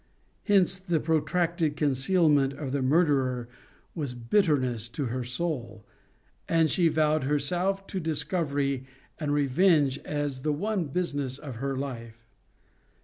Hence the protracted concealment of the murderer was bitterness to her soul, and she vowed herself to discovery and revenge as the one business of her life.